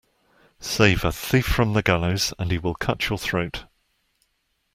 Save a thief from the gallows and he will cut your throat.